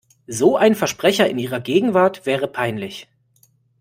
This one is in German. So ein Versprecher in ihrer Gegenwart wäre peinlich.